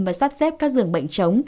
và sắp xếp các dường bệnh chống